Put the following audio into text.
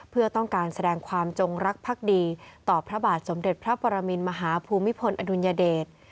เพื่อต้องการแสดงความจงรักภักดีต่อพระบาทสมเด็จพระปรมินมหาภูมิพลอดุลยเดช